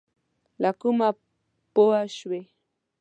له کومه پوه شوې؟